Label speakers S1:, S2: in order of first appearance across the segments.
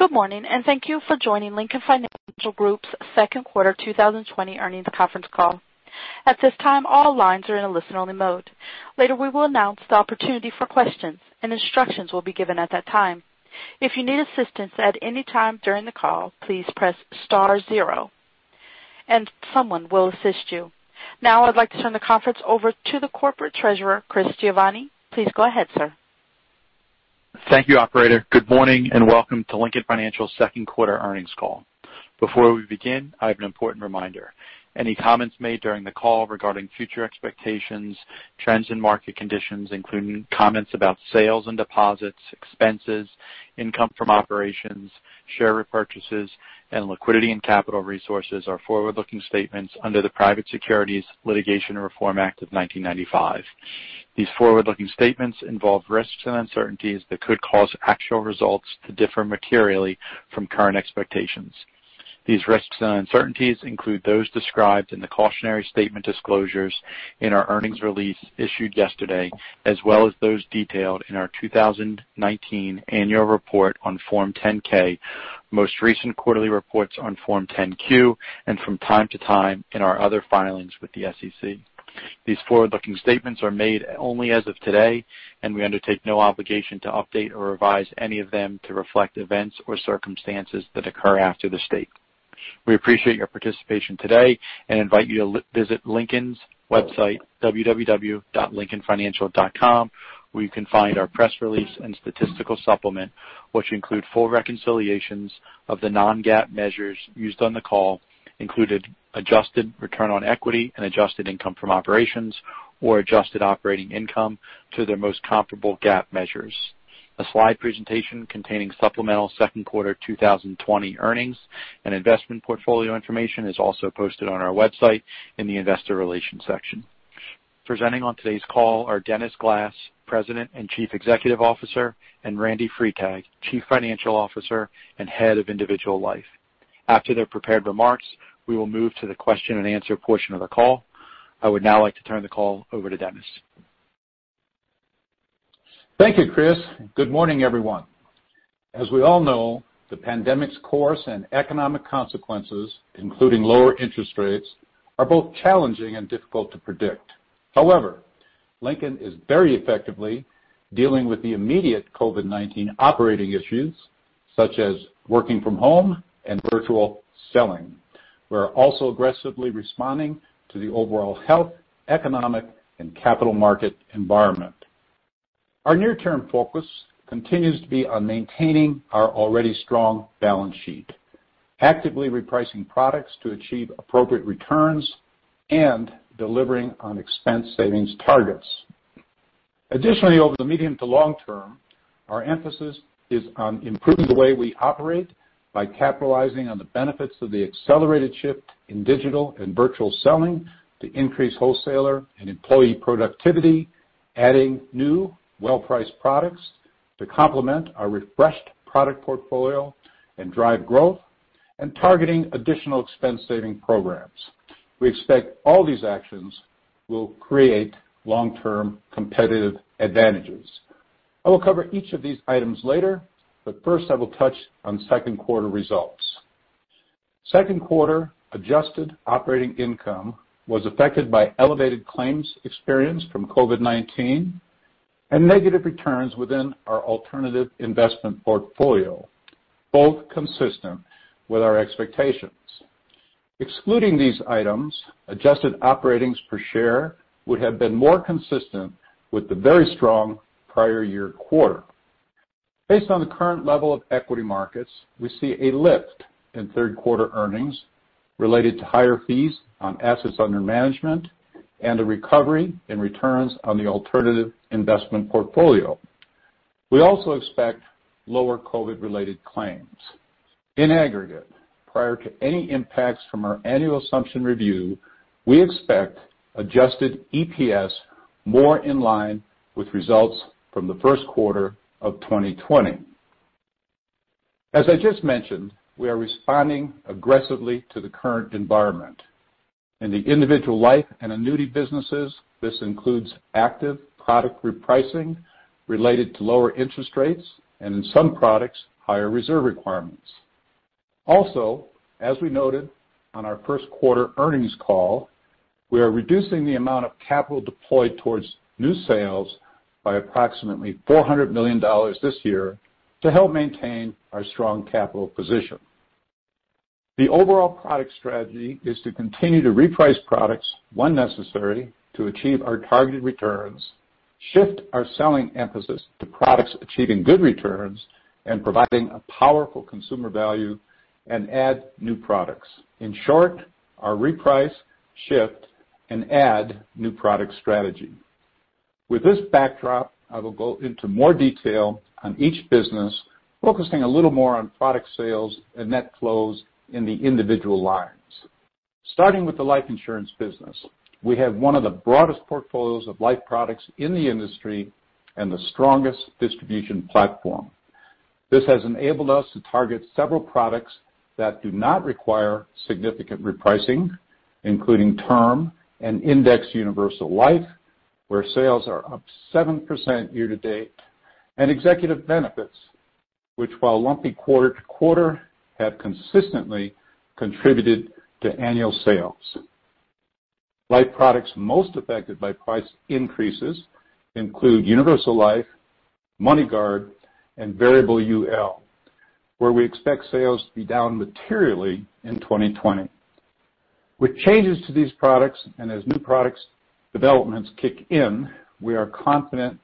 S1: Good morning. Thank you for joining Lincoln Financial Group's second quarter 2020 earnings conference call. At this time, all lines are in a listen-only mode. Later, we will announce the opportunity for questions, and instructions will be given at that time. If you need assistance at any time during the call, please press star zero and someone will assist you. I'd like to turn the conference over to the Corporate Treasurer, Christopher Giovanni. Please go ahead, sir.
S2: Thank you, operator. Good morning and welcome to Lincoln Financial's second quarter earnings call. Before we begin, I have an important reminder. Any comments made during the call regarding future expectations, trends and market conditions, including comments about sales and deposits, expenses, income from operations, share repurchases, and liquidity and capital resources are forward-looking statements under the Private Securities Litigation Reform Act of 1995. These forward-looking statements involve risks and uncertainties that could cause actual results to differ materially from current expectations. These risks and uncertainties include those described in the cautionary statement disclosures in our earnings release issued yesterday, as well as those detailed in our 2019 annual report on Form 10-K, most recent quarterly reports on Form 10-Q, and from time to time in our other filings with the SEC. These forward-looking statements are made only as of today, and we undertake no obligation to update or revise any of them to reflect events or circumstances that occur after the date. We appreciate your participation today and invite you to visit Lincoln's website, www.lincolnfinancial.com, where you can find our press release and statistical supplement, which include full reconciliations of the non-GAAP measures used on the call, included adjusted return on equity and adjusted income from operations or adjusted operating income to their most comparable GAAP measures. A slide presentation containing supplemental second quarter 2020 earnings and investment portfolio information is also posted on our website in the investor relations section. Presenting on today's call are Dennis Glass, President and Chief Executive Officer, and Randy Freitag, Chief Financial Officer and Head of Individual Life. After their prepared remarks, we will move to the question and answer portion of the call. I would like to turn the call over to Dennis.
S3: Thank you, Chris. Good morning, everyone. As we all know, the pandemic's course and economic consequences, including lower interest rates, are both challenging and difficult to predict. However, Lincoln is very effectively dealing with the immediate COVID-19 operating issues such as working from home and virtual selling. We are also aggressively responding to the overall health, economic, and capital market environment. Our near-term focus continues to be on maintaining our already strong balance sheet, actively repricing products to achieve appropriate returns, and delivering on expense savings targets. Additionally, over the medium to long term, our emphasis is on improving the way we operate by capitalizing on the benefits of the accelerated shift in digital and virtual selling to increase wholesaler and employee productivity, adding new well-priced products to complement our refreshed product portfolio and drive growth, and targeting additional expense saving programs. We expect all these actions will create long-term competitive advantages. I will cover each of these items later. First, I will touch on second quarter results. Second quarter adjusted operating income was affected by elevated claims experience from COVID-19 and negative returns within our alternative investment portfolio, both consistent with our expectations. Excluding these items, adjusted EPS would have been more consistent with the very strong prior year quarter. Based on the current level of equity markets, we see a lift in third quarter earnings related to higher fees on assets under management and a recovery in returns on the alternative investment portfolio. We also expect lower COVID-related claims. In aggregate, prior to any impacts from our annual assumption review, we expect adjusted EPS more in line with results from the first quarter of 2020. As I just mentioned, we are responding aggressively to the current environment. In the individual life and annuity businesses, this includes active product repricing related to lower interest rates and in some products, higher reserve requirements. Also, as we noted on our first quarter earnings call, we are reducing the amount of capital deployed towards new sales by approximately $400 million this year to help maintain our strong capital position. The overall product strategy is to continue to reprice products when necessary to achieve our targeted returns, shift our selling emphasis to products achieving good returns and providing a powerful consumer value, and add new products. In short, our reprice, shift, and add new product strategy. With this backdrop, I will go into more detail on each business, focusing a little more on product sales and net flows in the individual lines. Starting with the life insurance business. We have one of the broadest portfolios of life products in the industry and the strongest distribution platform. This has enabled us to target several products that do not require significant repricing, including term and indexed universal life where sales are up 7% year to date and executive benefits, which while lumpy quarter to quarter, have consistently contributed to annual sales. Life products most affected by price increases include universal life, MoneyGuard, and variable UL, where we expect sales to be down materially in 2020. With changes to these products and as new product developments kick in, we are confident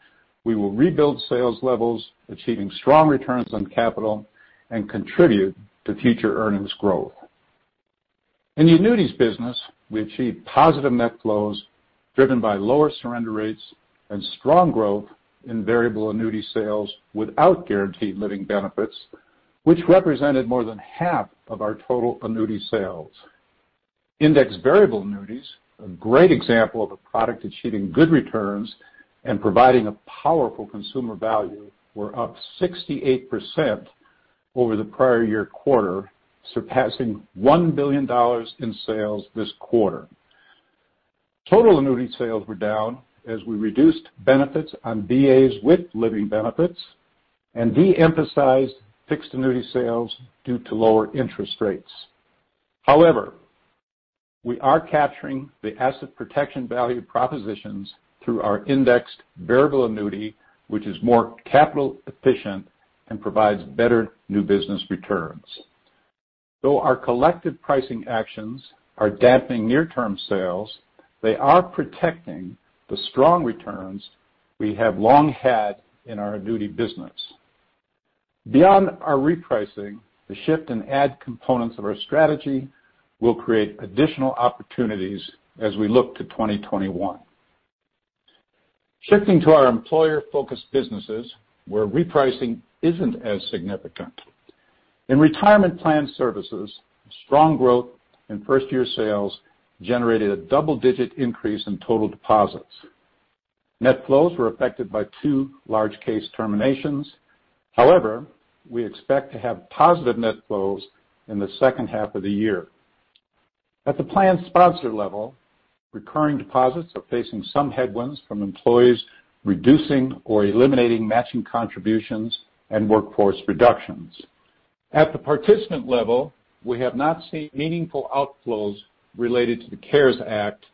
S3: we will rebuild sales levels, achieving strong returns on capital, and contribute to future earnings growth. In the annuities business, we achieved positive net flows driven by lower surrender rates and strong growth in variable annuity sales without guaranteed living benefits, which represented more than half of our total annuity sales. Indexed variable annuities, a great example of a product achieving good returns and providing a powerful consumer value, were up 68% over the prior year quarter, surpassing $1 billion in sales this quarter. Total annuity sales were down as we reduced benefits on VAs with living benefits and de-emphasized fixed annuity sales due to lower interest rates. However, we are capturing the asset protection value propositions through our indexed variable annuity, which is more capital efficient and provides better new business returns. Though our collective pricing actions are damping near-term sales, they are protecting the strong returns we have long had in our annuity business. Beyond our repricing, the shift and add components of our strategy will create additional opportunities as we look to 2021. Shifting to our employer-focused businesses, where repricing isn't as significant. In Retirement Plan Services, strong growth in first-year sales generated a double-digit increase in total deposits. Net flows were affected by two large case terminations. However, we expect to have positive net flows in the second half of the year. At the plan sponsor level, recurring deposits are facing some headwinds from employees reducing or eliminating matching contributions and workforce reductions. At the participant level, we have not seen meaningful outflows related to the CARES Act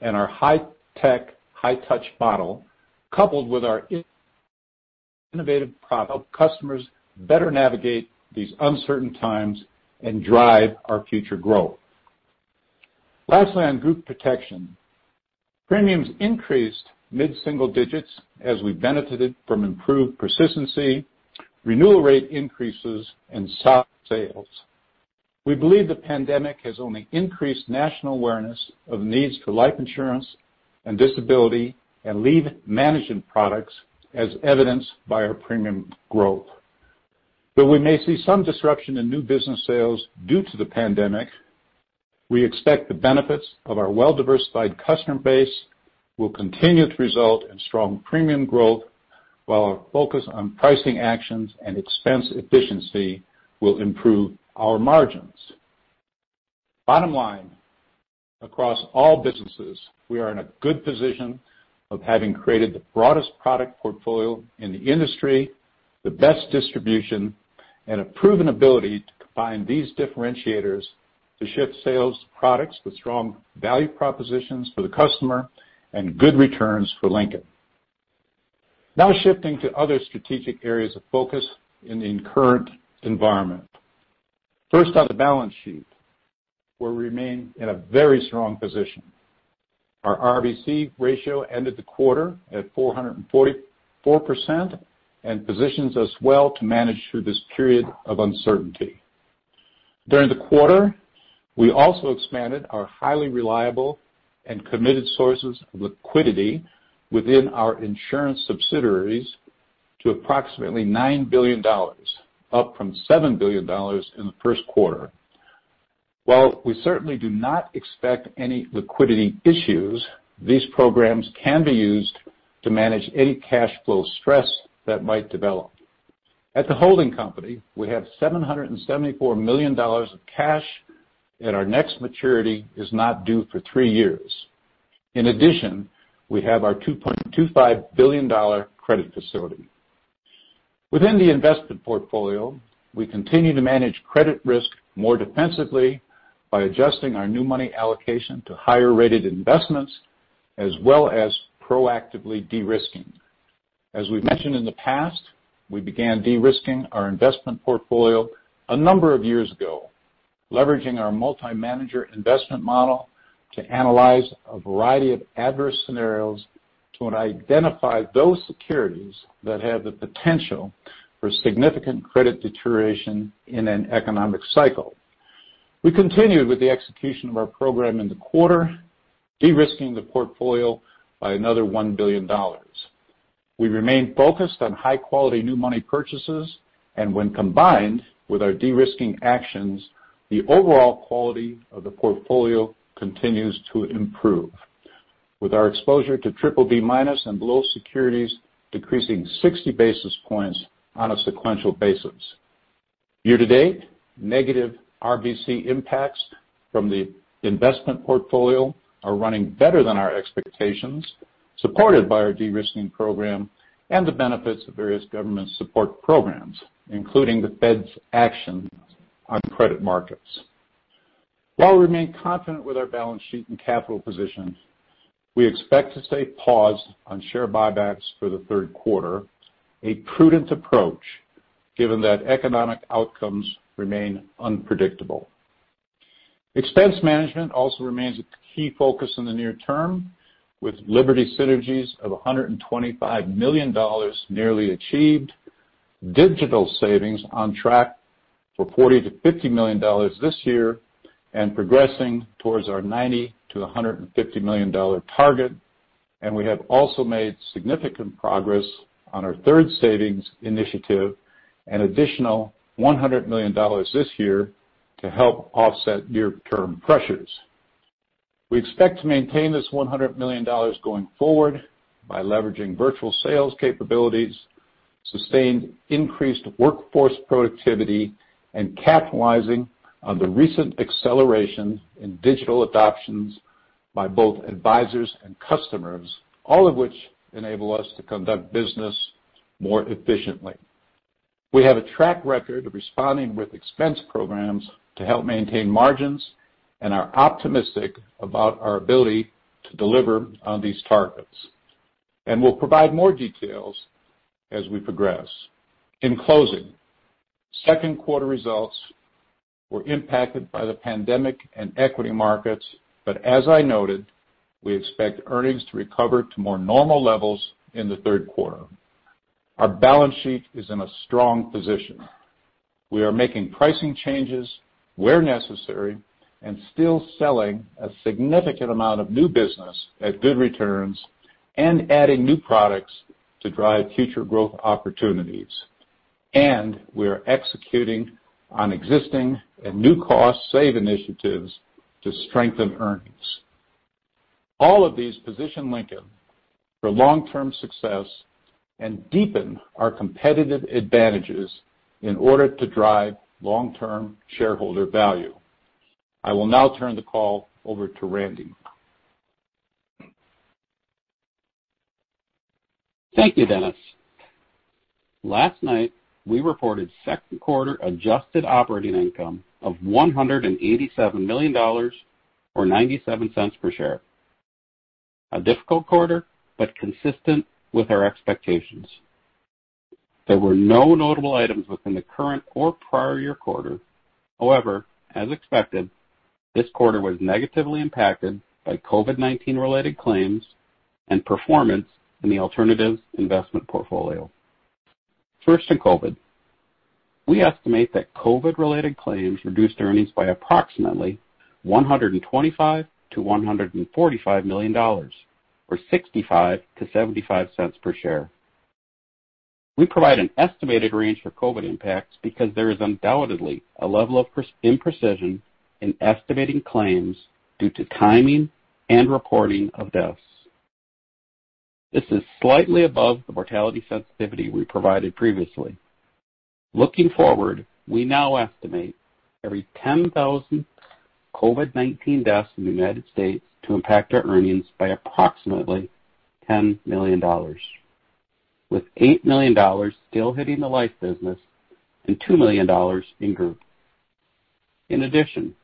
S3: and our high-tech, high-touch model, coupled with our innovative products help customers better navigate these uncertain times and drive our future growth. Lastly, on Group Protection. Premiums increased mid-single digits as we benefited from improved persistency, renewal rate increases, and soft sales. We believe the pandemic has only increased national awareness of needs for life insurance and disability and leave management products as evidenced by our premium growth. Though we may see some disruption in new business sales due to the pandemic, we expect the benefits of our well-diversified customer base will continue to result in strong premium growth while our focus on pricing actions and expense efficiency will improve our margins. Bottom line, across all businesses, we are in a good position of having created the broadest product portfolio in the industry, the best distribution, and a proven ability to combine these differentiators to shift sales to products with strong value propositions for the customer and good returns for Lincoln. Now shifting to other strategic areas of focus in the current environment. First on the balance sheet, where we remain in a very strong position. Our RBC ratio ended the quarter at 444% and positions us well to manage through this period of uncertainty. During the quarter, we also expanded our highly reliable and committed sources of liquidity within our insurance subsidiaries to approximately $9 billion, up from $7 billion in the first quarter. While we certainly do not expect any liquidity issues, these programs can be used to manage any cash flow stress that might develop. At the holding company, we have $774 million of cash, and our next maturity is not due for three years. In addition, we have our $2.25 billion credit facility. Within the investment portfolio, we continue to manage credit risk more defensively by adjusting our new money allocation to higher-rated investments as well as proactively de-risking. As we've mentioned in the past, we began de-risking our investment portfolio a number of years ago, leveraging our multi-manager investment model to analyze a variety of adverse scenarios to identify those securities that have the potential for significant credit deterioration in an economic cycle. We continued with the execution of our program in the quarter, de-risking the portfolio by another $1 billion. We remain focused on high-quality new money purchases, and when combined with our de-risking actions, the overall quality of the portfolio continues to improve, with our exposure to BBB- and below securities decreasing 60 basis points on a sequential basis. Year-to-date, negative RBC impacts from the investment portfolio are running better than our expectations, supported by our de-risking program and the benefits of various government support programs, including the Fed's actions on credit markets. While we remain confident with our balance sheet and capital position, we expect to stay paused on share buybacks for the third quarter, a prudent approach given that economic outcomes remain unpredictable. Expense management also remains a key focus in the near term, with Liberty synergies of $125 million nearly achieved, digital savings on track for $40 million to $50 million this year and progressing towards our $90 million to $150 million target. We have also made significant progress on our third savings initiative, an additional $100 million this year, to help offset near-term pressures. We expect to maintain this $100 million going forward by leveraging virtual sales capabilities, sustained increased workforce productivity, and capitalizing on the recent acceleration in digital adoptions by both advisors and customers, all of which enable us to conduct business more efficiently. We have a track record of responding with expense programs to help maintain margins and are optimistic about our ability to deliver on these targets. We'll provide more details as we progress. In closing, second quarter results were impacted by the pandemic and equity markets, as I noted, we expect earnings to recover to more normal levels in the third quarter. Our balance sheet is in a strong position. We are making pricing changes where necessary and still selling a significant amount of new business at good returns and adding new products to drive future growth opportunities. We are executing on existing and new cost save initiatives to strengthen earnings. All of these position Lincoln for long-term success and deepen our competitive advantages in order to drive long-term shareholder value. I will now turn the call over to Randy.
S4: Thank you, Dennis. Last night, we reported second quarter adjusted operating income of $187 million, or $0.97 per share. A difficult quarter, consistent with our expectations. There were no notable items within the current or prior year quarter. As expected, this quarter was negatively impacted by COVID-19 related claims and performance in the alternatives investment portfolio. First on COVID. We estimate that COVID related claims reduced earnings by approximately $125 million to $145 million, or $0.65 to $0.75 per share. We provide an estimated range for COVID impacts because there is undoubtedly a level of imprecision in estimating claims due to timing and reporting of deaths. This is slightly above the mortality sensitivity we provided previously. Looking forward, we now estimate every 10,000 COVID-19 deaths in the U.S. to impact our earnings by approximately $10 million, with $8 million still hitting the life business and $2 million in Group. In addition,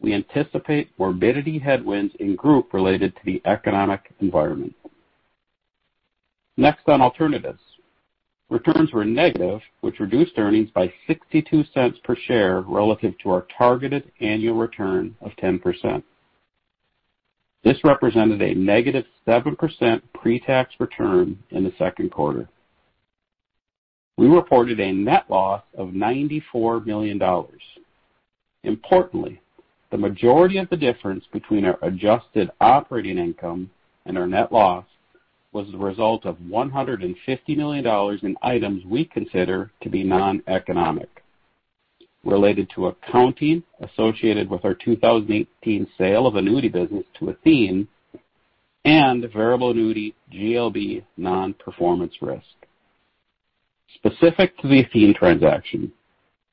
S4: we anticipate morbidity headwinds in Group related to the economic environment. On alternatives. Returns were negative, which reduced earnings by $0.62 per share relative to our targeted annual return of 10%. This represented a negative 7% pre-tax return in the second quarter. We reported a net loss of $94 million. Importantly, the majority of the difference between our adjusted operating income and our net loss was the result of $150 million in items we consider to be non-economic, related to accounting associated with our 2018 sale of annuity business to Athene and the variable annuity GLB non-performance risk. Specific to the Athene transaction,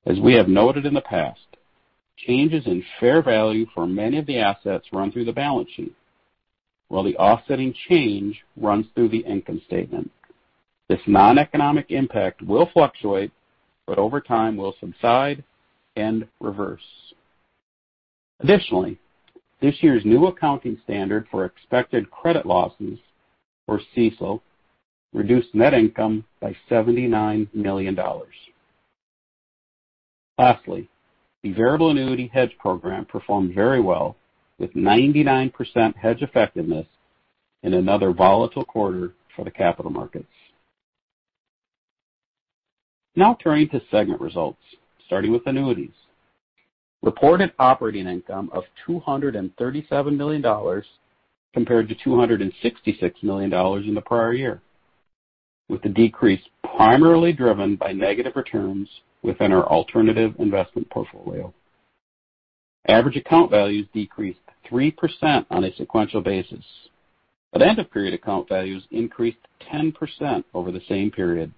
S4: as we have noted in the past, changes in fair value for many of the assets run through the balance sheet, while the offsetting change runs through the income statement. This non-economic impact will fluctuate, but over time will subside and reverse. Additionally, this year's new accounting standard for expected credit losses, or CECL, reduced net income by $79 million. Lastly, the variable annuity hedge program performed very well with 99% hedge effectiveness in another volatile quarter for the capital markets. Turning to segment results, starting with annuities. Reported operating income of $237 million compared to $266 million in the prior year, with the decrease primarily driven by negative returns within our alternative investment portfolio. Average account values decreased 3% on a sequential basis, but end-of-period account values increased 10% over the same period.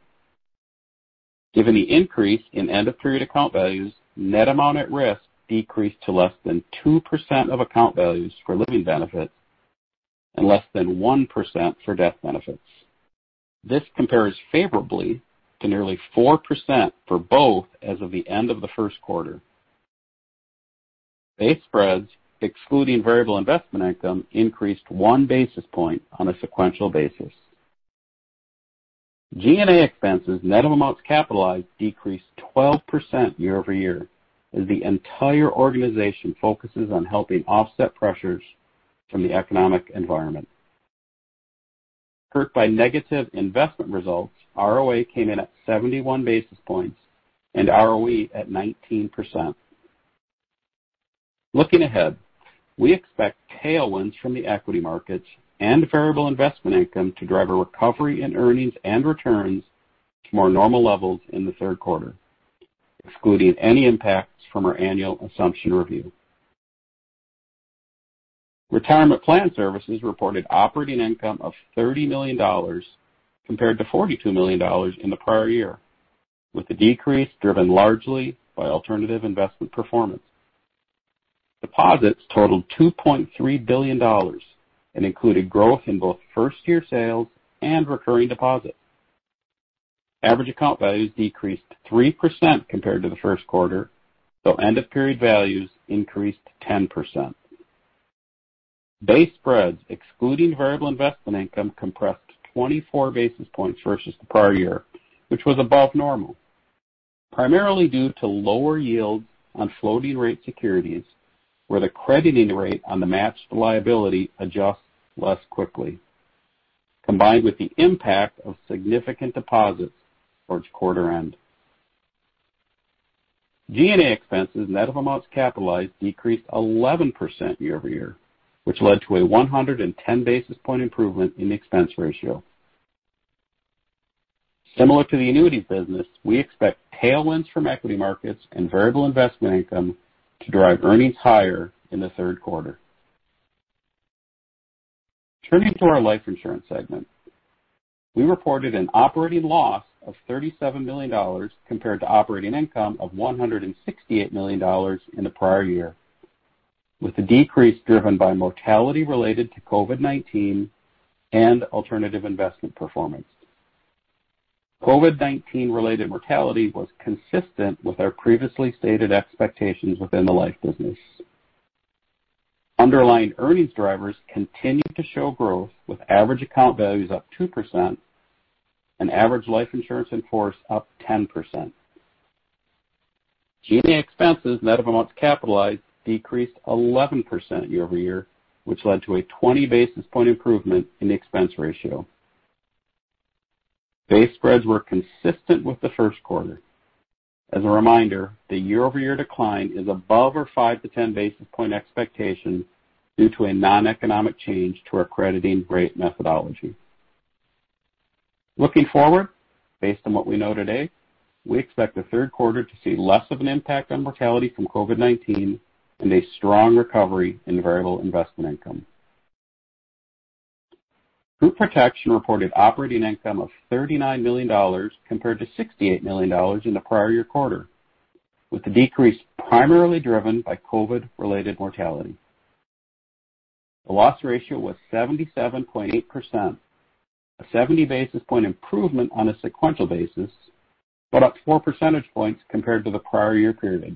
S4: Given the increase in end-of-period account values, net amount at risk decreased to less than 2% of account values for living benefits and less than 1% for death benefits. This compares favorably to nearly 4% for both as of the end of the first quarter. Base spreads, excluding variable investment income, increased one basis point on a sequential basis. G&A expenses, net of amounts capitalized, decreased 12% year-over-year as the entire organization focuses on helping offset pressures from the economic environment. Hurt by negative investment results, ROA came in at 71 basis points and ROE at 19%. Looking ahead, we expect tailwinds from the equity markets and variable investment income to drive a recovery in earnings and returns to more normal levels in the third quarter, excluding any impacts from our annual assumption review. Retirement Plan Services reported operating income of $30 million compared to $42 million in the prior year, with the decrease driven largely by alternative investment performance. Deposits totaled $2.3 billion and included growth in both first-year sales and recurring deposits. Average account values decreased 3% compared to the first quarter, though end-of-period values increased 10%. Base spreads, excluding variable investment income, compressed 24 basis points versus the prior year, which was above normal, primarily due to lower yields on floating rate securities, where the crediting rate on the matched liability adjusts less quickly, combined with the impact of significant deposits towards quarter end. G&A expenses, net of amounts capitalized, decreased 11% year-over-year, which led to a 110 basis point improvement in the expense ratio. Similar to the annuities business, we expect tailwinds from equity markets and variable investment income to drive earnings higher in the third quarter. Turning to our life insurance segment, we reported an operating loss of $37 million compared to operating income of $168 million in the prior year, with the decrease driven by mortality related to COVID-19 and alternative investment performance. COVID-19-related mortality was consistent with our previously stated expectations within the life business. Underlying earnings drivers continued to show growth, with average account values up 2% and average life insurance in force up 10%. G&A expenses, net of amounts capitalized, decreased 11% year-over-year, which led to a 20 basis point improvement in the expense ratio. Base spreads were consistent with the first quarter. As a reminder, the year-over-year decline is above our 5-10 basis point expectation due to a non-economic change to our crediting rate methodology. Looking forward, based on what we know today, we expect the third quarter to see less of an impact on mortality from COVID-19 and a strong recovery in variable investment income. Group Protection reported operating income of $39 million compared to $68 million in the prior year quarter, with the decrease primarily driven by COVID-related mortality. The loss ratio was 77.8%, a 70 basis point improvement on a sequential basis, but up four percentage points compared to the prior year period.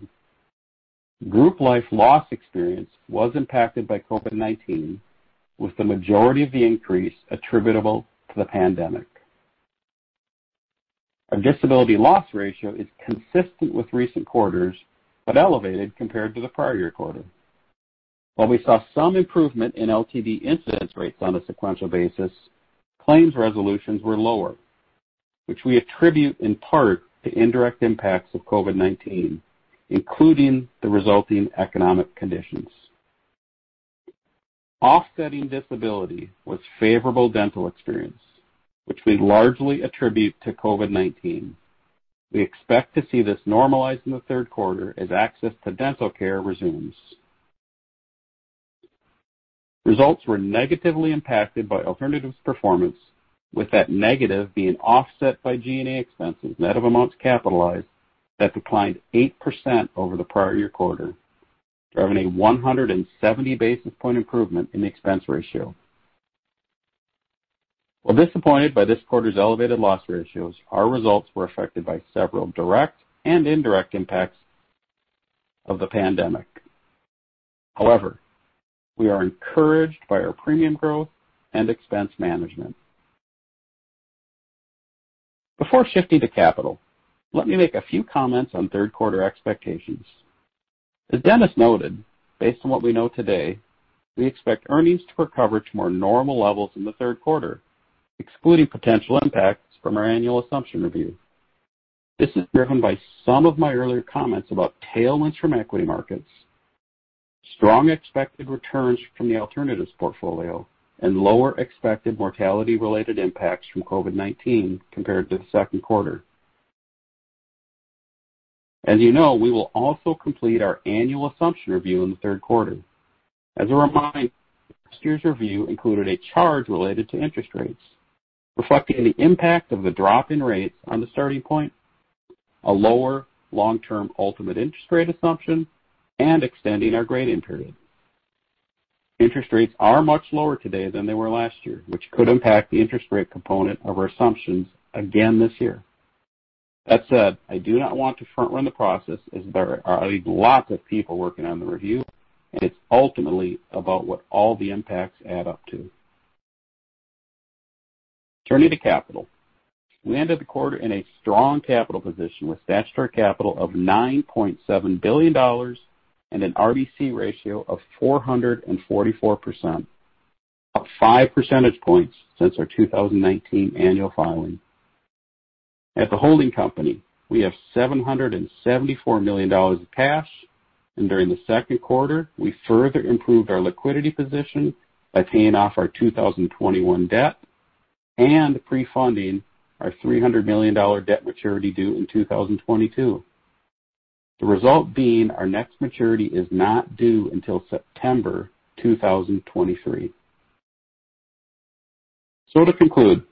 S4: Group life loss experience was impacted by COVID-19, with the majority of the increase attributable to the pandemic. Our disability loss ratio is consistent with recent quarters, but elevated compared to the prior year quarter. While we saw some improvement in LTD incidence rates on a sequential basis, claims resolutions were lower, which we attribute in part to indirect impacts of COVID-19, including the resulting economic conditions. Offsetting disability was favorable dental experience, which we largely attribute to COVID-19. We expect to see this normalized in the third quarter as access to dental care resumes. Results were negatively impacted by alternatives performance, with that negative being offset by G&A expenses, net of amounts capitalized, that declined 8% over the prior year quarter, driving a 170 basis point improvement in the expense ratio. While disappointed by this quarter's elevated loss ratios, our results were affected by several direct and indirect impacts of the pandemic. However, we are encouraged by our premium growth and expense management. Before shifting to capital, let me make a few comments on third quarter expectations. As Dennis noted, based on what we know today, we expect earnings to recover to more normal levels in the third quarter, excluding potential impacts from our annual assumption review. This is driven by some of my earlier comments about tailwinds from equity markets, strong expected returns from the alternatives portfolio, and lower expected mortality-related impacts from COVID-19 compared to the second quarter. As you know, we will also complete our annual assumption review in the third quarter. As a reminder, last year's review included a charge related to interest rates, reflecting the impact of the drop in rates on the starting point, a lower long-term ultimate interest rate assumption, and extending our grading period. Interest rates are much lower today than they were last year, which could impact the interest rate component of our assumptions again this year. That said, I do not want to front-run the process, as there are a lot of people working on the review, and it's ultimately about what all the impacts add up to. Turning to capital. We ended the quarter in a strong capital position with statutory capital of $9.7 billion and an RBC ratio of 444%, up five percentage points since our 2019 annual filing. At the holding company, we have $774 million of cash, and during the Q2, we further improved our liquidity position by paying off our 2021 debt and pre-funding our $300 million debt maturity due in 2022. The result being our next maturity is not due until September 2023. To conclude,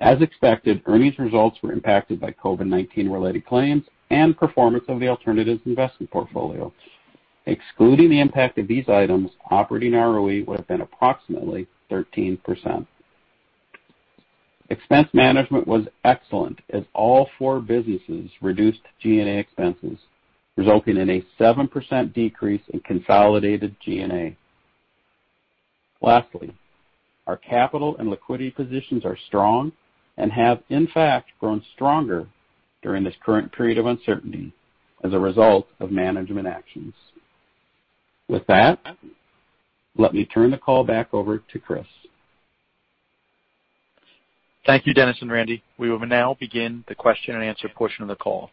S4: as expected, earnings results were impacted by COVID-19 related claims and performance of the alternatives investment portfolio. Excluding the impact of these items, operating ROE would have been approximately 13%. Expense management was excellent as all 4 businesses reduced G&A expenses, resulting in a 7% decrease in consolidated G&A. Our capital and liquidity positions are strong and have in fact grown stronger during this current period of uncertainty as a result of management actions. With that, let me turn the call back over to Chris.
S2: Thank you, Dennis and Randy. We will now begin the question and answer portion of the call.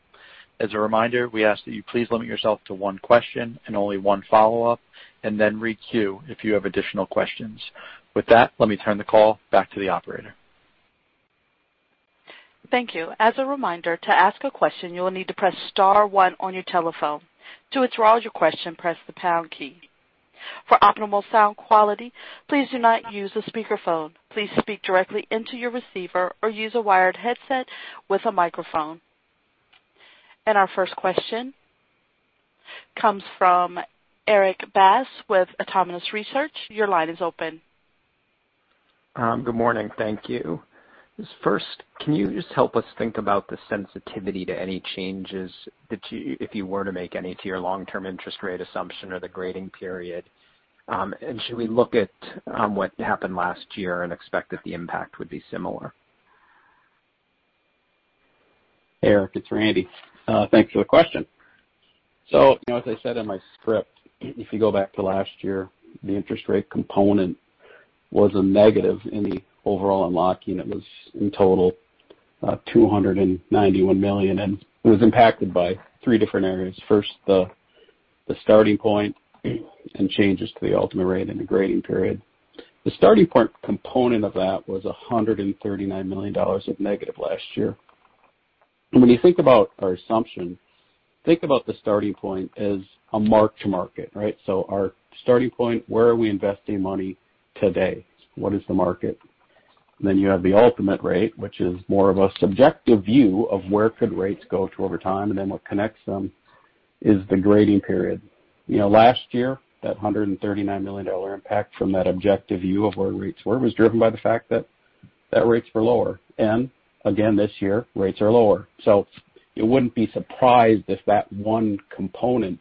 S2: As a reminder, we ask that you please limit yourself to 1 question and only 1 follow-up, and then re-queue if you have additional questions. With that, let me turn the call back to the operator.
S1: Thank you. As a reminder, to ask a question, you will need to press star one on your telephone. To withdraw your question, press the pound key. For optimal sound quality, please do not use the speakerphone. Please speak directly into your receiver or use a wired headset with a microphone. Our first question comes from Erik Bass with Autonomous Research. Your line is open.
S5: Good morning. Thank you. Just first, can you just help us think about the sensitivity to any changes if you were to make any to your long-term interest rate assumption or the grading period? Should we look at what happened last year and expect that the impact would be similar?
S4: Erik, it's Randy. Thanks for the question. As I said in my script, if you go back to last year, the interest rate component was a negative in the overall unlocking. It was in total $291 million, and it was impacted by three different areas. First, the starting point and changes to the ultimate rate and the grading period. The starting point component of that was $139 million of negative last year. When you think about our assumption, think about the starting point as a mark to market, right? Our starting point, where are we investing money today? What is the market? You have the ultimate rate, which is more of a subjective view of where could rates go to over time, and what connects them is the grading period. Last year, that $139 million impact from that objective view of where rates were was driven by the fact that rates were lower. Again, this year, rates are lower. You wouldn't be surprised if that one component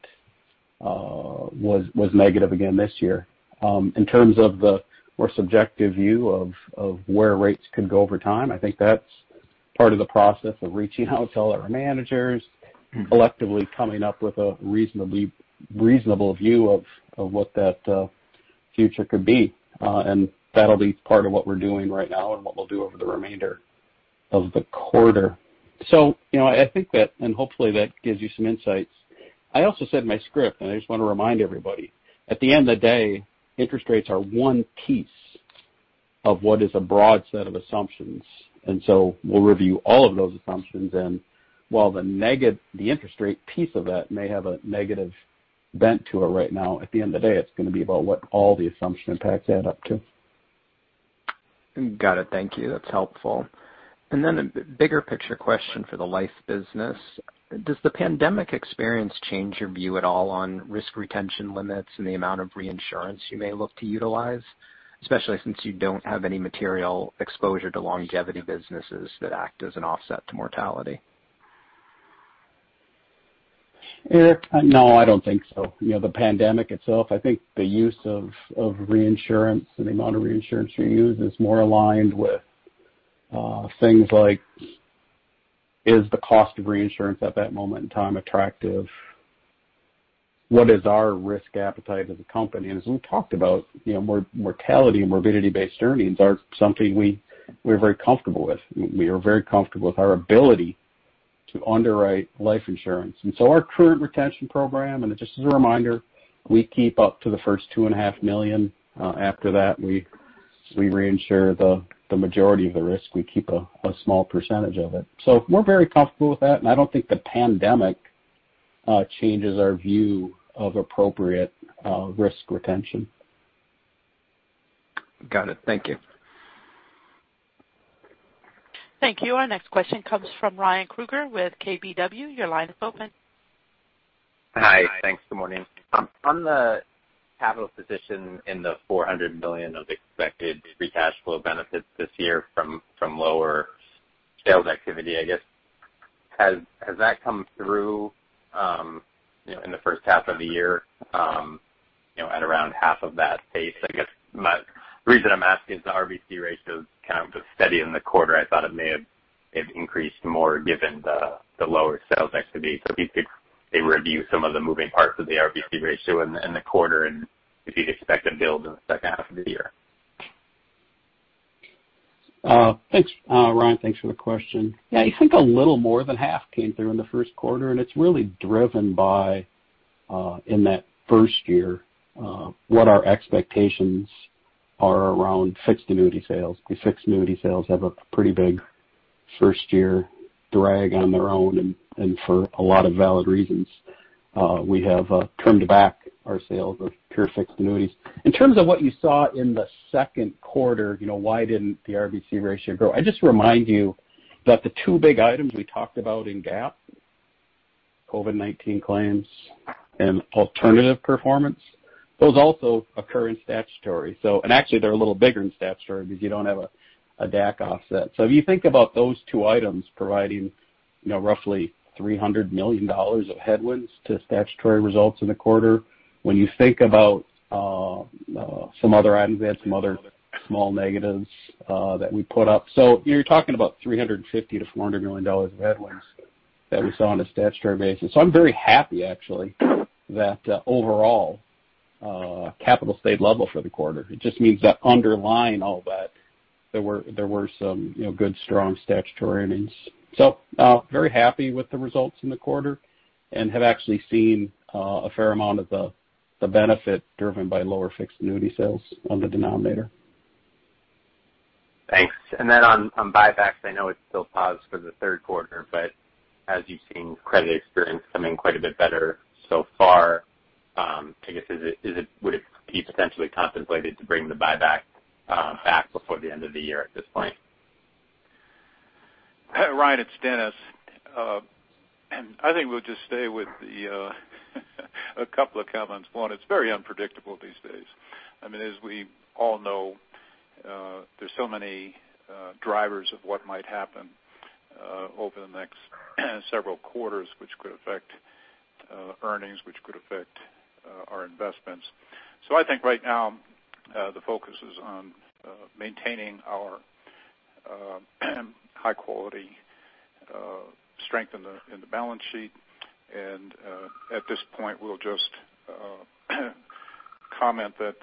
S4: was negative again this year. In terms of the more subjective view of where rates could go over time, I think that's part of the process of reaching out to all our managers, collectively coming up with a reasonably view of what that future could be. That'll be part of what we're doing right now and what we'll do over the remainder of the quarter. I think that, and hopefully that gives you some insights. I also said in my script, I just want to remind everybody, at the end of the day, interest rates are one piece of what is a broad set of assumptions, so we'll review all of those assumptions. While the interest rate piece of that may have a negative bent to it right now, at the end of the day, it's going to be about what all the assumption impacts add up to.
S5: Got it. Thank you. That's helpful. A bigger picture question for the life business. Does the pandemic experience change your view at all on risk retention limits and the amount of reinsurance you may look to utilize, especially since you don't have any material exposure to longevity businesses that act as an offset to mortality?
S4: Erik, no, I don't think so. The pandemic itself, I think the use of reinsurance and the amount of reinsurance we use is more aligned with things like, is the cost of reinsurance at that moment in time attractive? What is our risk appetite as a company? As we talked about, mortality and morbidity-based earnings are something we're very comfortable with. We are very comfortable with our ability to underwrite life insurance. Our current retention program, and just as a reminder, we keep up to the first two and a half million. After that, we reinsure the majority of the risk. We keep a small percentage of it. We're very comfortable with that, and I don't think the pandemic changes our view of appropriate risk retention.
S5: Got it. Thank you.
S1: Thank you. Our next question comes from Ryan Krueger with KBW. Your line is open.
S6: Hi. Thanks. Good morning. On the capital position in the $400 million of expected free cash flow benefits this year from lower sales activity, has that come through in the first half of the year at around half of that pace? My reason I'm asking is the RBC ratio was steady in the quarter. I thought it may have increased more given the lower sales activity. If you could maybe review some of the moving parts of the RBC ratio in the quarter and if you'd expect a build in the second half of the year.
S4: Thanks, Ryan, thanks for the question. I think a little more than half came through in the first quarter, and it's really driven by, in that first year, what our expectations are around fixed annuity sales, because fixed annuity sales have a pretty big first-year drag on their own, and for a lot of valid reasons. We have trimmed back our sales of pure fixed annuities. In terms of what you saw in the second quarter, why didn't the RBC ratio grow? I'd just remind you that the two big items we talked about in GAAP, COVID-19 claims and alternative performance, those also occur in statutory. They're a little bigger in statutory because you don't have a DAC offset. If you think about those two items providing roughly $300 million of headwinds to statutory results in the quarter, when you think about some other items, we had some other small negatives that we put up. You're talking about $350 million-$400 million of headwinds that we saw on a statutory basis. I'm very happy that overall capital stayed level for the quarter. It just means that underlying all that, there were some good, strong statutory earnings. Very happy with the results in the quarter and have actually seen a fair amount of the benefit driven by lower fixed annuity sales on the denominator.
S6: Thanks. On buybacks, I know it's still paused for the third quarter, as you've seen credit experience coming quite a bit better so far, would it be potentially contemplated to bring the buyback back before the end of the year at this point?
S3: Ryan, it's Dennis. I think we'll just stay with a couple of comments. One, it's very unpredictable these days. As we all know, there's so many drivers of what might happen over the next several quarters, which could affect earnings, which could affect our investments. I think right now, the focus is on maintaining our high-quality strength in the balance sheet, and at this point, we'll just comment that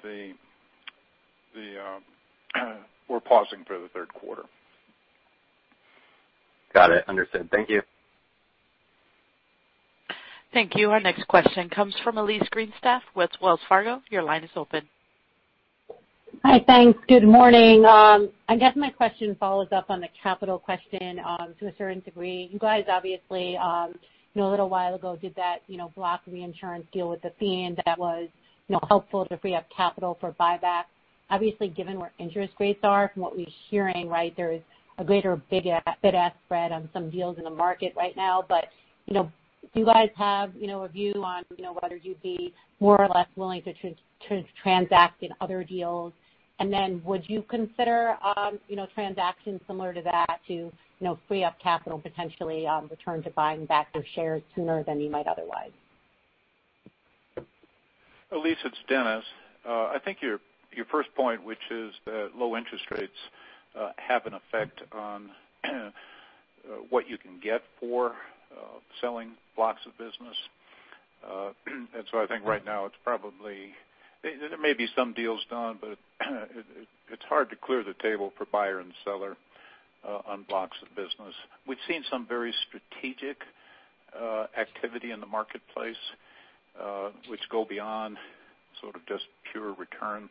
S3: we're pausing through the third quarter.
S6: Got it. Understood. Thank you.
S1: Thank you. Our next question comes from Elyse Greenspan with Wells Fargo. Your line is open.
S7: Hi. Thanks. Good morning. I guess my question follows up on the capital question to a certain degree. You guys obviously, a little while ago, did that block reinsurance deal with Athene that was helpful to free up capital for buyback. Obviously, given where interest rates are from what we're hearing, right, there's a greater bid-ask spread on some deals in the market right now. Do you guys have a view on whether you'd be more or less willing to transact in other deals? Would you consider transactions similar to that to free up capital potentially return to buying back your shares sooner than you might otherwise?
S3: Elyse, it's Dennis. I think your first point, which is that low interest rates have an effect on what you can get for selling blocks of business. I think right now it's probably, there may be some deals done, but it's hard to clear the table for buyer and seller on blocks of business. We've seen some very strategic activity in the marketplace, which go beyond sort of just pure return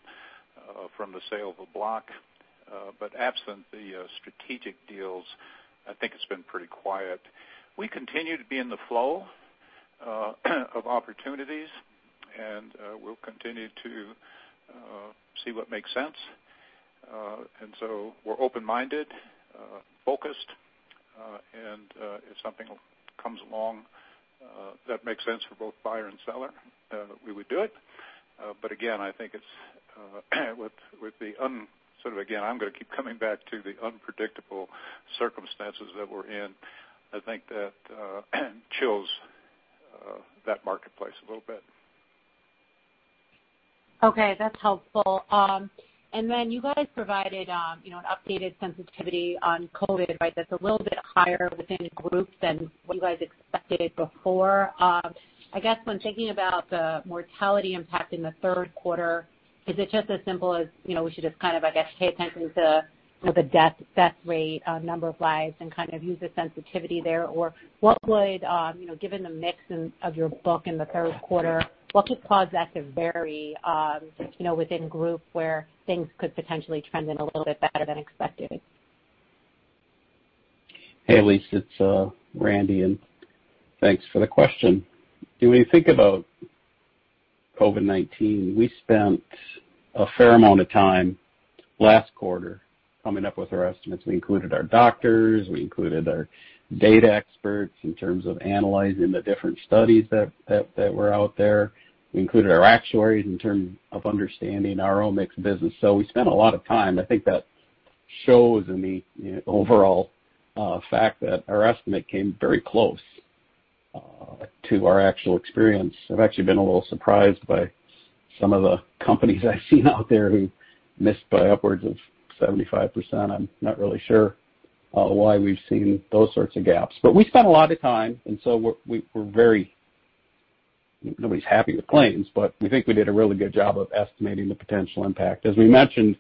S3: from the sale of a block. Absent the strategic deals, I think it's been pretty quiet. We continue to be in the flow of opportunities, and we'll continue to see what makes sense. We're open-minded, focused, and if something comes along that makes sense for both buyer and seller, we would do it. Again, I think with the unpredictable circumstances that we're in. I think that chills that marketplace a little bit.
S7: Okay. That's helpful. You guys provided an updated sensitivity on COVID-19, right? That's a little bit higher within a group than what you guys expected before. I guess when thinking about the mortality impact in the third quarter, is it just as simple as we should just kind of, I guess, pay attention to the death rate, number of lives, and kind of use the sensitivity there? Or what would, given the mix of your book in the third quarter, what could cause that to vary within group where things could potentially trend in a little bit better than expected?
S4: Hey, Elyse. It's Randy, and thanks for the question. When we think about COVID-19, we spent a fair amount of time last quarter coming up with our estimates. We included our doctors, we included our data experts in terms of analyzing the different studies that were out there. We included our actuaries in terms of understanding our own mixed business. We spent a lot of time. I think that shows in the overall fact that our estimate came very close to our actual experience. I've actually been a little surprised by some of the companies I've seen out there who missed by upwards of 75%. I'm not really sure why we've seen those sorts of gaps. Nobody's happy with claims, but we think we did a really good job of estimating the potential impact. As we mentioned,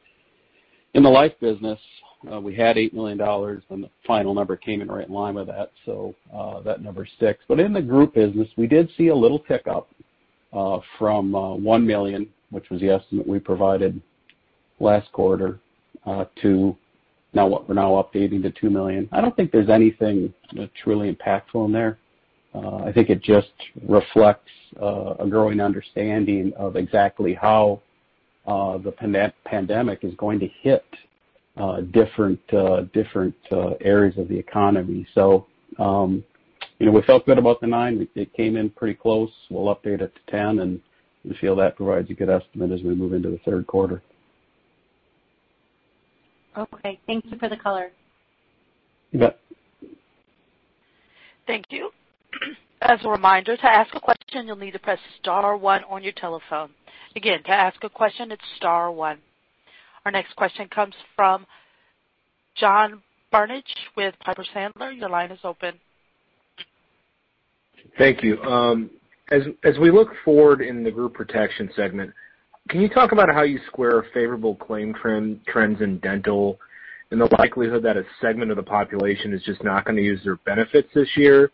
S4: in the life business, we had $8 million, and the final number came in right in line with that, so that number sticks. In the Group business, we did see a little tick-up from $1 million, which was the estimate we provided last quarter, to what we're now updating to $2 million. I don't think there's anything truly impactful in there. I think it just reflects a growing understanding of exactly how the pandemic is going to hit different areas of the economy. We felt good about the 9. It came in pretty close. We'll update it to 10, and we feel that provides a good estimate as we move into the third quarter.
S7: Okay. Thank you for the color.
S4: You bet.
S1: Thank you. As a reminder, to ask a question, you'll need to press star one on your telephone. Again, to ask a question, it's star one. Our next question comes from John Barnidge with Piper Sandler. Your line is open.
S8: Thank you. As we look forward in the Group Protection segment, can you talk about how you square favorable claim trends in dental and the likelihood that a segment of the population is just not going to use their benefits this year,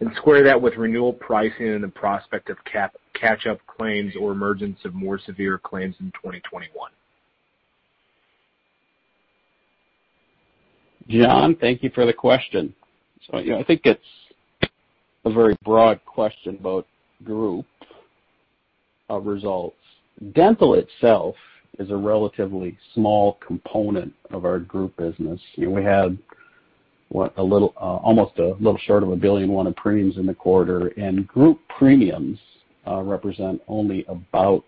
S8: and square that with renewal pricing and the prospect of catch-up claims or emergence of more severe claims in 2021?
S4: John, thank you for the question. I think it's a very broad question about Group results. Dental itself is a relatively small component of our Group business. We had almost a little short of a billion in premiums in the quarter, and Group premiums represent only about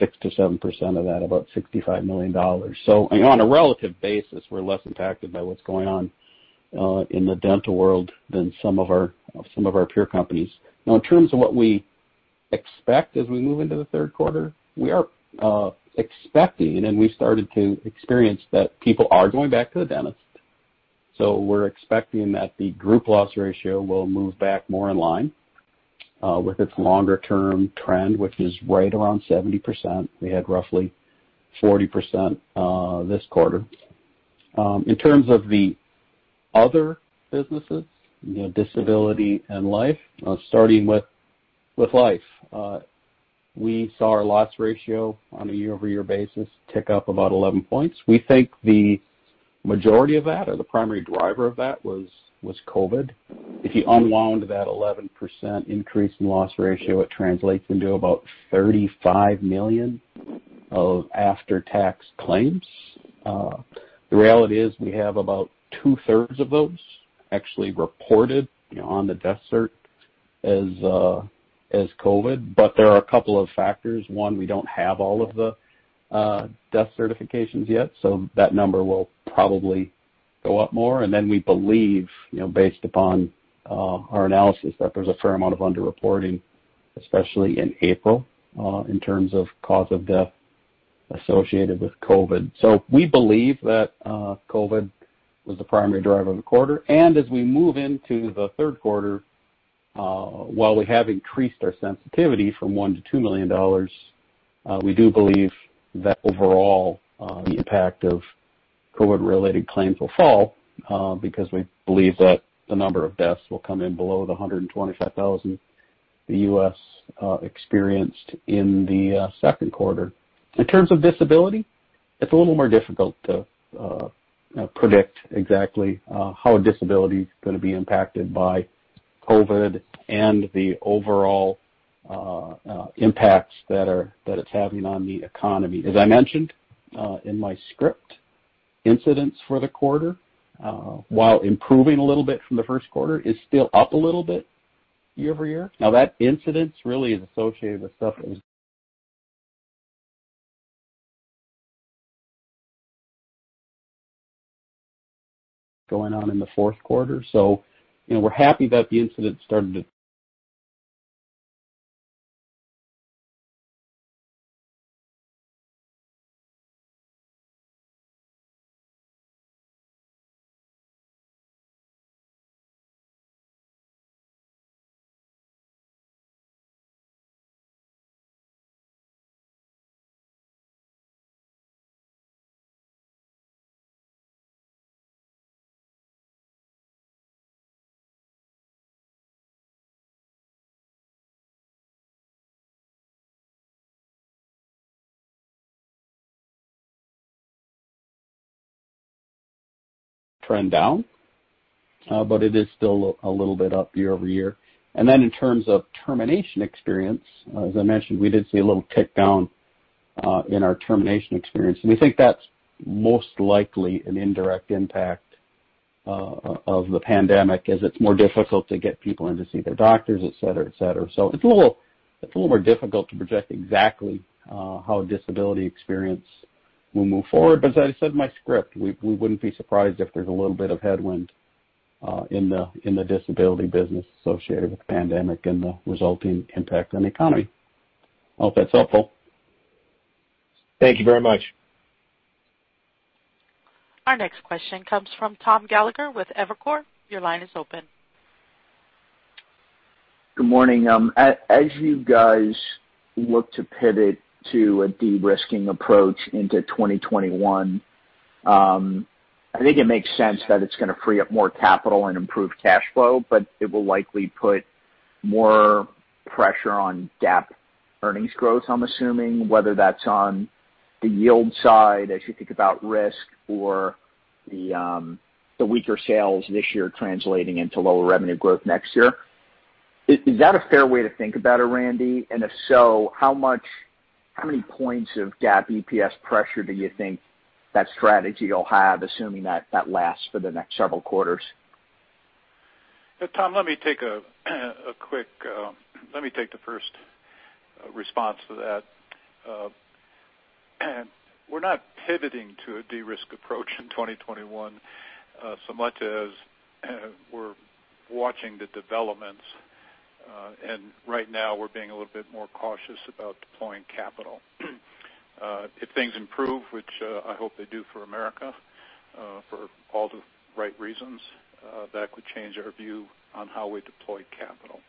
S4: 6%-7% of that, about $65 million. On a relative basis, we're less impacted by what's going on in the dental world than some of our peer companies. In terms of what we expect as we move into the third quarter, we are expecting, and we started to experience that people are going back to the dentist. We're expecting that the group loss ratio will move back more in line with its longer-term trend, which is right around 70%. We had roughly 40% this quarter. In terms of the other businesses, disability and life, starting with life. We saw our loss ratio on a year-over-year basis tick up about 11 points. We think the majority of that or the primary driver of that was COVID. If you unwound that 11% increase in loss ratio, it translates into about $35 million of after-tax claims. The reality is we have about two-thirds of those actually reported on the death cert as COVID. There are a couple of factors. One, we don't have all of the death certifications yet, so that number will probably go up more. Then we believe, based upon our analysis, that there's a fair amount of underreporting, especially in April, in terms of cause of death associated with COVID. We believe that COVID was the primary driver of the quarter. As we move into the third quarter, while we have increased our sensitivity from $1 million-$2 million, we do believe that overall, the impact of COVID-related claims will fall because we believe that the number of deaths will come in below the 125,000 the U.S. experienced in the second quarter. In terms of disability, it's a little more difficult to predict exactly how disability is going to be impacted by COVID and the overall impacts that it's having on the economy. As I mentioned in my script, incidents for the quarter while improving a little bit from the first quarter, is still up a little bit year-over-year. That incidence really is associated with stuff that was going on in the fourth quarter. We're happy that the incident started to trend down, but it is still a little bit up year-over-year. In terms of termination experience, as I mentioned, we did see a little tick down in our termination experience. We think that's most likely an indirect impact of the pandemic, as it's more difficult to get people in to see their doctors, et cetera. It's a little more difficult to project exactly how disability experience will move forward. As I said in my script, we wouldn't be surprised if there's a little bit of headwind in the disability business associated with the pandemic and the resulting impact on the economy. I hope that's helpful.
S8: Thank you very much.
S1: Our next question comes from Thomas Gallagher with Evercore. Your line is open.
S9: Good morning. You guys look to pivot to a de-risking approach into 2021, I think it makes sense that it's going to free up more capital and improve cash flow, but it will likely put more pressure on GAAP earnings growth, I'm assuming, whether that's on the yield side as you think about risk or the weaker sales this year translating into lower revenue growth next year. Is that a fair way to think about it, Randy? If so, how many points of GAAP EPS pressure do you think that strategy will have, assuming that lasts for the next several quarters?
S3: Tom, let me take the first response to that. We're not pivoting to a de-risk approach in 2021 so much as we're watching the developments. Right now, we're being a little bit more cautious about deploying capital. If things improve, which I hope they do for America, for all the right reasons, that could change our view on how we deploy capital.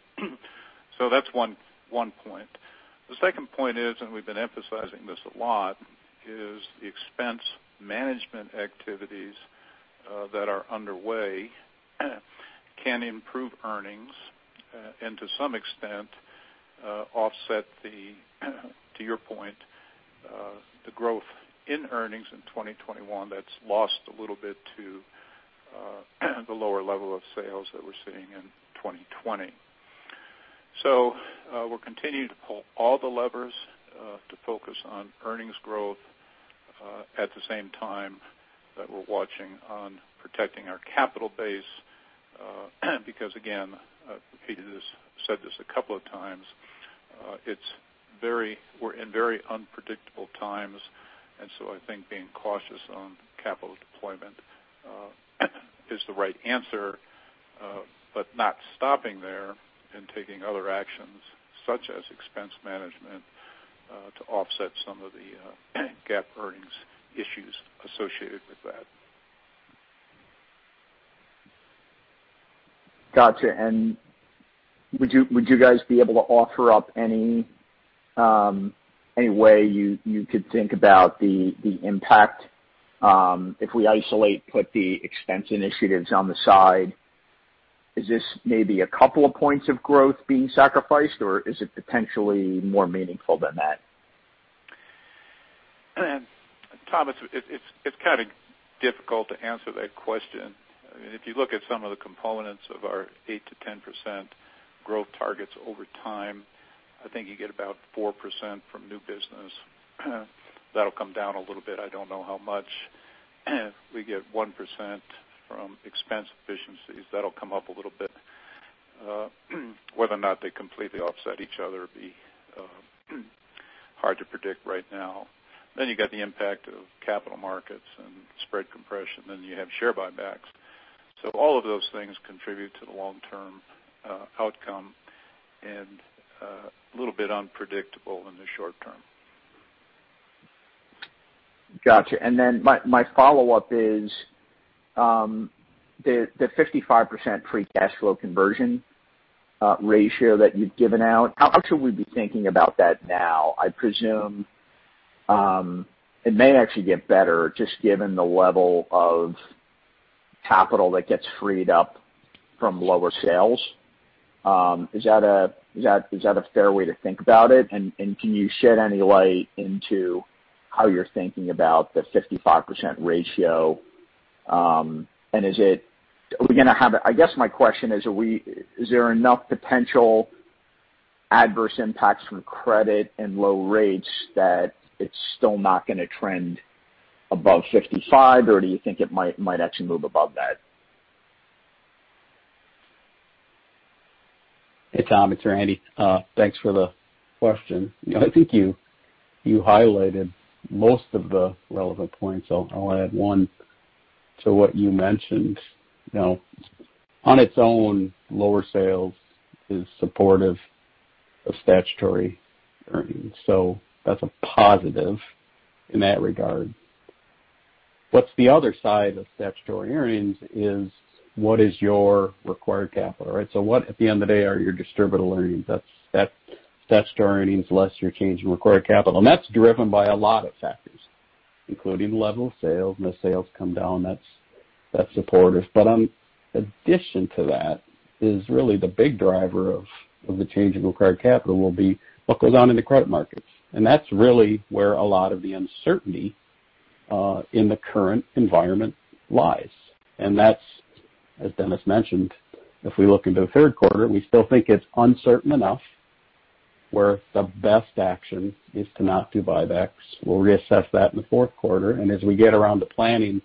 S3: That's one point. The second point is, and we've been emphasizing this a lot, is the expense management activities that are underway can improve earnings and to some extent, offset the, to your point, the growth in earnings in 2021, that's lost a little bit to the lower level of sales that we're seeing in 2020. We're continuing to pull all the levers to focus on earnings growth. At the same time, that we're watching on protecting our capital base, because again, I've repeated this, said this a couple of times, we're in very unpredictable times, I think being cautious on capital deployment is the right answer. Not stopping there and taking other actions such as expense management, to offset some of the GAAP earnings issues associated with that.
S9: Got you. Would you guys be able to offer up any way you could think about the impact if we isolate, put the expense initiatives on the side? Is this maybe a couple of points of growth being sacrificed, or is it potentially more meaningful than that?
S3: Tom, it's kind of difficult to answer that question. If you look at some of the components of our 8%-10% growth targets over time, I think you get about 4% from new business. That'll come down a little bit, I don't know how much. We get 1% from expense efficiencies. That'll come up a little bit. Whether or not they completely offset each other would be hard to predict right now. You got the impact of capital markets and spread compression, you have share buybacks. All of those things contribute to the long-term outcome and a little bit unpredictable in the short term.
S9: Got you. My follow-up is, the 55% free cash flow conversion ratio that you've given out, how should we be thinking about that now? I presume it may actually get better just given the level of capital that gets freed up from lower sales. Is that a fair way to think about it? Can you shed any light into how you're thinking about the 55% ratio? I guess my question is there enough potential adverse impacts from credit and low rates that it's still not going to trend above 55%? Or do you think it might actually move above that?
S4: Hey, Tom, it's Randy. Thanks for the question. I think you highlighted most of the relevant points. I'll add one to what you mentioned. On its own, lower sales is supportive of statutory earnings. That's a positive in that regard. What's the other side of statutory earnings is what is your required capital, right? What, at the end of the day, are your distributable earnings? That's statutory earnings less your change in required capital. That's driven by a lot of factors, including level of sales, and as sales come down, that's supportive. In addition to that is really the big driver of the change in required capital will be what goes on in the credit markets. That's really where a lot of the uncertainty in the current environment lies. That's, as Dennis mentioned, if we look into the third quarter, we still think it's uncertain enough where the best action is to not do buybacks. We'll reassess that in the fourth quarter, and as we get around to planning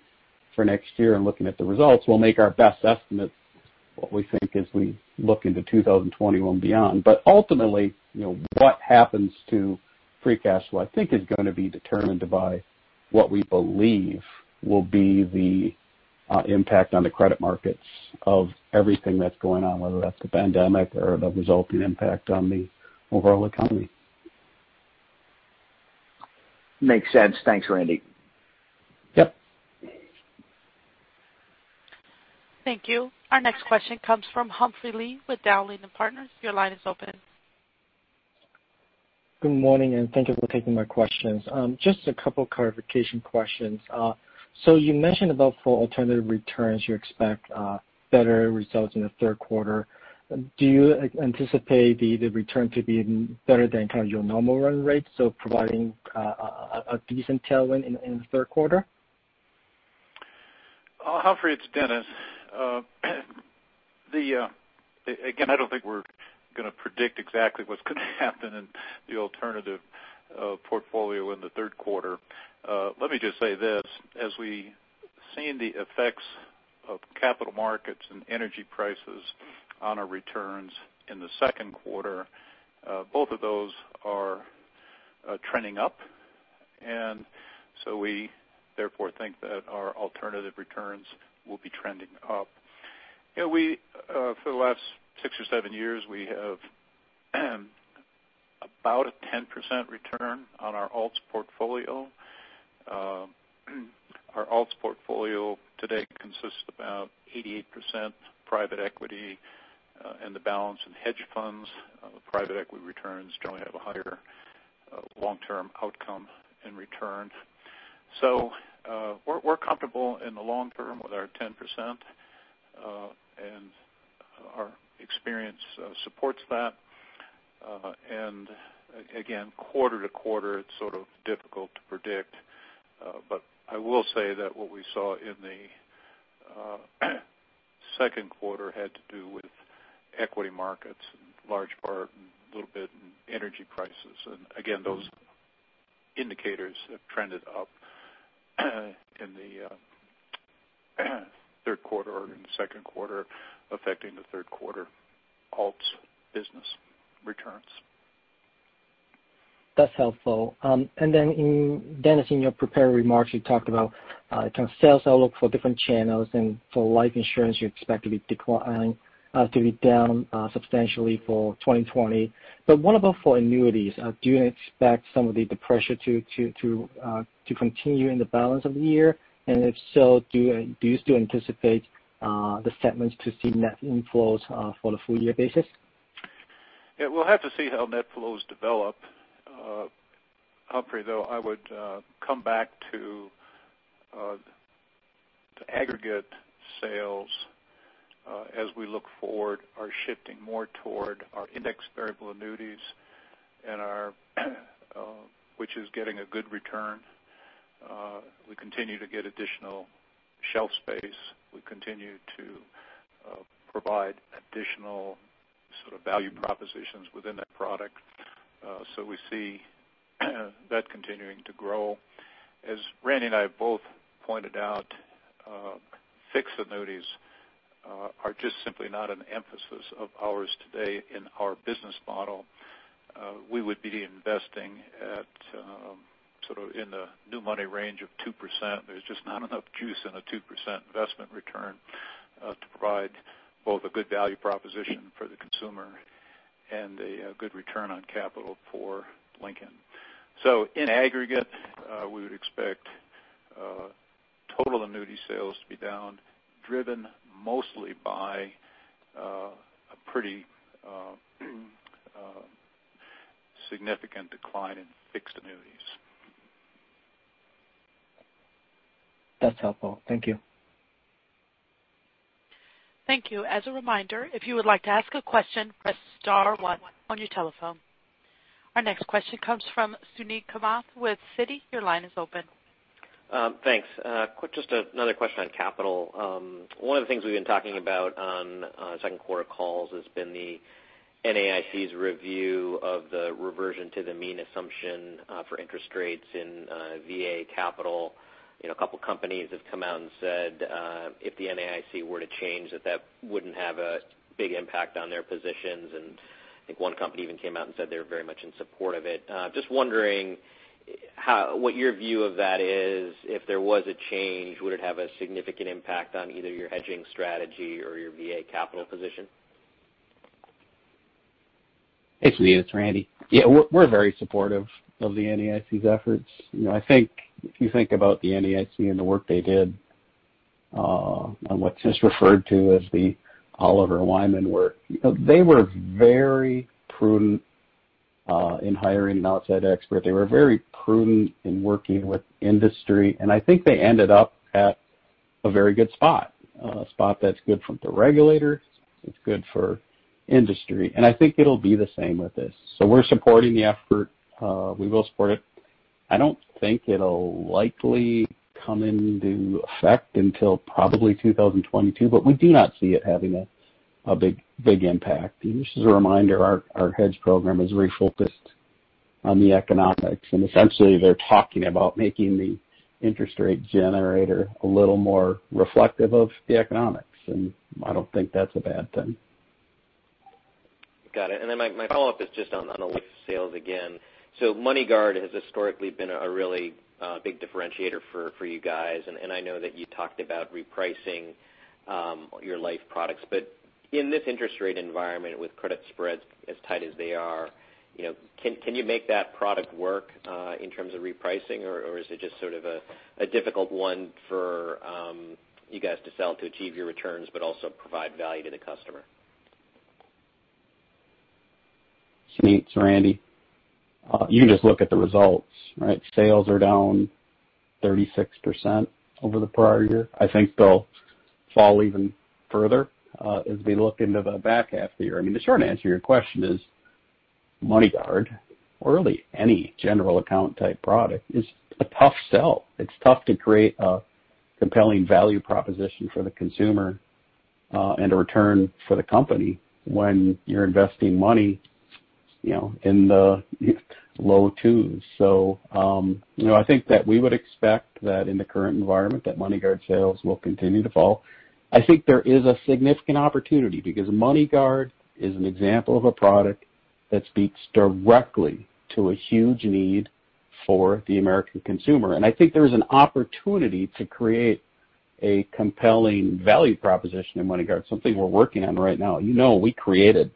S4: for next year and looking at the results, we'll make our best estimates what we think as we look into 2021 beyond. Ultimately, what happens to free cash flow, I think is going to be determined by what we believe will be the impact on the credit markets of everything that's going on, whether that's the pandemic or the resulting impact on the overall economy.
S9: Makes sense. Thanks, Randy.
S4: Yep.
S1: Thank you. Our next question comes from Humphrey Lee with Dowling & Partners. Your line is open.
S10: Good morning, and thank you for taking my questions. Just a couple clarification questions. You mentioned about for alternative returns, you expect better results in the third quarter. Do you anticipate the return to be better than kind of your normal run rate, providing a decent tailwind in the third quarter?
S3: Humphrey, it's Dennis. I don't think we're going to predict exactly what's going to happen in the alternative portfolio in the third quarter. Let me just say this. As we seen the effects of capital markets and energy prices on our returns in the second quarter, both of those are trending up, we therefore think that our alternative returns will be trending up. For the last six or seven years, we have about a 10% return on our alts portfolio. Our alts portfolio today consists about 88% private equity, the balance in hedge funds. Private equity returns generally have a higher long-term outcome in return. We're comfortable in the long term with our 10%, our experience supports that. Again, quarter to quarter, it's sort of difficult to predict. I will say that what we saw in the second quarter had to do with equity markets in large part and little bit in energy prices. Again, those indicators have trended up in the third quarter or in the second quarter, affecting the third quarter alts business returns.
S10: That's helpful. Dennis, in your prepared remarks, you talked about sales outlook for different channels and for life insurance, you expect to be down substantially for 2020. What about for annuities? Do you expect some of the pressure to continue in the balance of the year? If so, do you still anticipate the segments to see net inflows for the full-year basis?
S3: We'll have to see how net flows develop. Humphrey, though, I would come back to the aggregate sales as we look forward are shifting more toward our indexed variable annuities, which is getting a good return. We continue to get additional shelf space. We continue to provide additional sort of value propositions within that product. We see that continuing to grow. As Randy and I have both pointed out, fixed annuities are just simply not an emphasis of ours today in our business model. We would be investing at sort of in the new money range of 2%. There's just not enough juice in a 2% investment return to provide both a good value proposition for the consumer and a good return on capital for Lincoln. In aggregate, we would expect total annuity sales to be down, driven mostly by a pretty significant decline in fixed annuities.
S10: That's helpful. Thank you.
S1: Thank you. As a reminder, if you would like to ask a question, press star one on your telephone. Our next question comes from Suneet Kamath with Citi. Your line is open.
S11: Thanks. Just another question on capital. One of the things we've been talking about on second quarter calls has been the NAIC's review of the reversion to the mean assumption for interest rates in VA capital. A couple companies have come out and said if the NAIC were to change, that that wouldn't have a big impact on their positions, and I think one company even came out and said they were very much in support of it. Just wondering what your view of that is. If there was a change, would it have a significant impact on either your hedging strategy or your VA capital position?
S4: It's Randy. We're very supportive of the NAIC's efforts. If you think about the NAIC and the work they did on what's just referred to as the Oliver Wyman work, they were very prudent in hiring an outside expert. They were very prudent in working with industry, I think they ended up at a very good spot. A spot that's good for the regulator, it's good for industry. I think it'll be the same with this. We're supporting the effort. We will support it. I don't think it'll likely come into effect until probably 2022, we do not see it having a big impact. Just as a reminder, our hedge program is refocused on the economics, essentially they're talking about making the interest rate generator a little more reflective of the economics, I don't think that's a bad thing.
S11: Got it. My follow-up is just on the life sales again. MoneyGuard has historically been a really big differentiator for you guys, I know that you talked about repricing your life products. In this interest rate environment with credit spreads as tight as they are, can you make that product work, in terms of repricing, or is it just sort of a difficult one for you guys to sell to achieve your returns, but also provide value to the customer?
S4: Suneet, Randy. You can just look at the results, right? Sales are down 36% over the prior year. I think they'll fall even further as we look into the back half of the year. The short answer to your question is MoneyGuard or really any general account-type product is a tough sell. It's tough to create a compelling value proposition for the consumer, a return for the company when you're investing money in the low twos. I think that we would expect that in the current environment, that MoneyGuard sales will continue to fall. I think there is a significant opportunity because MoneyGuard is an example of a product that speaks directly to a huge need for the American consumer. I think there is an opportunity to create a compelling value proposition in MoneyGuard, something we're working on right now. We created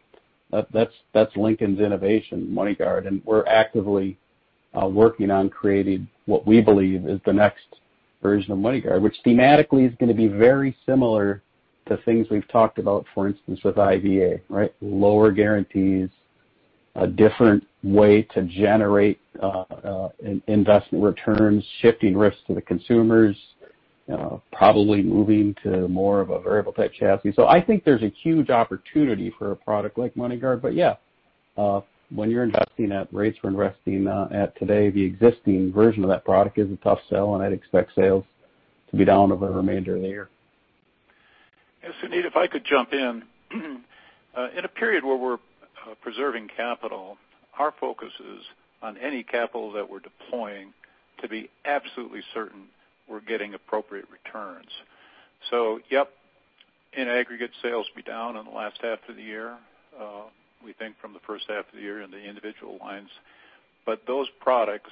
S4: That's Lincoln's innovation, MoneyGuard, and we're actively working on creating what we believe is the next version of MoneyGuard, which thematically is going to be very similar to things we've talked about, for instance, with IVA, right? Lower guarantees, a different way to generate investment returns, shifting risks to the consumers, probably moving to more of a variable-type chassis. I think there's a huge opportunity for a product like MoneyGuard, but yeah, when you're investing at rates we're investing at today, the existing version of that product is a tough sell, and I'd expect sales to be down over the remainder of the year.
S3: Yeah, Suneet, if I could jump in. In a period where we're preserving capital, our focus is on any capital that we're deploying to be absolutely certain we're getting appropriate returns. Yep, in aggregate, sales will be down in the last half of the year. We think from the first half of the year in the individual lines. Those products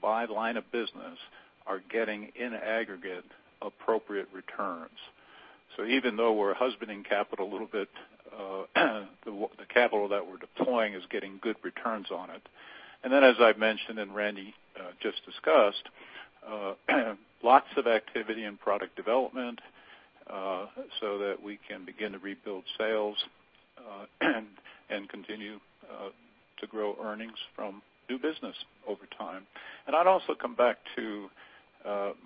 S3: by line of business are getting, in aggregate, appropriate returns. Even though we're husbanding capital a little bit, the capital that we're deploying is getting good returns on it. As I've mentioned and Randy just discussed, lots of activity in product development, so that we can begin to rebuild sales, and continue to grow earnings from new business over time. I'd also come back to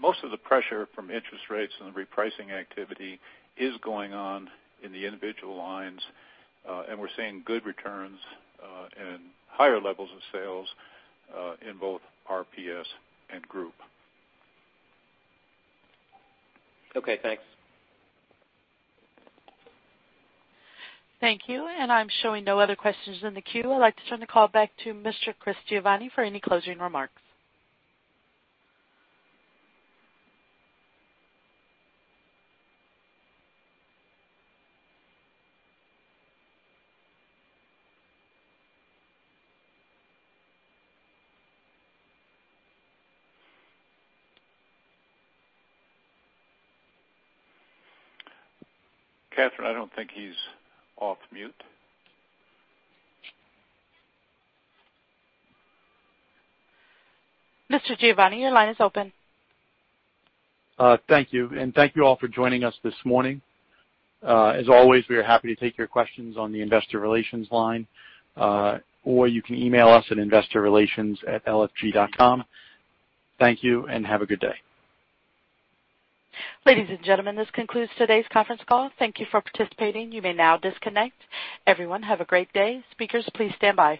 S3: most of the pressure from interest rates and the repricing activity is going on in the individual lines. We're seeing good returns, and higher levels of sales, in both RPS and Group.
S11: Okay, thanks.
S1: Thank you. I'm showing no other questions in the queue. I'd like to turn the call back to Mr. Christopher Giovanni for any closing remarks.
S3: Catherine, I don't think he's off mute.
S1: Mr. Giovanni, your line is open.
S2: Thank you. Thank you all for joining us this morning. As always, we are happy to take your questions on the investor relations line. You can email us at investorrelations@lfg.com. Thank you and have a good day.
S1: Ladies and gentlemen, this concludes today's conference call. Thank you for participating. You may now disconnect. Everyone have a great day. Speakers, please stand by.